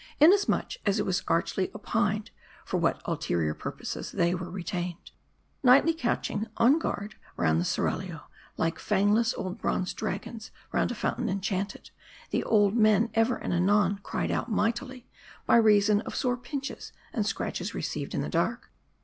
Inasmuch, as it was archly opined, for what ulterior purposes they were retained. A? 284 MARDI. Nightly couching, on guard, round the seraglio, like fang less old bronze dragons round a fountain enchanted, the old men ever and anon cried out mightily, by reason of sore pinches and scratches received in the dark.